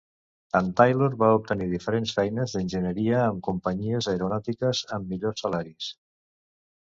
En Taylor va obtenir diferents feines d'enginyeria amb companyies aeronàutiques amb millors salaris.